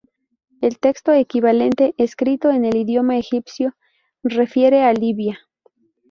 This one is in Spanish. El texto equivalente, escrito en el idioma egipcio, refiere a Libia.